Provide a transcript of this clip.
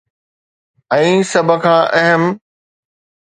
۽ سڀ کان اهم.